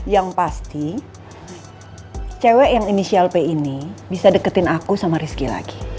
yang pasti cewek yang inisial p ini bisa deketin aku sama rizky lagi